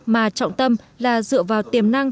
mà trọng tâm là dựa vào tiềm năng